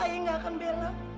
ayah gak akan bela